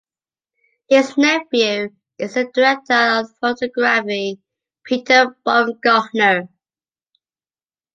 His nephew is the director of photography Peter Baumgartner.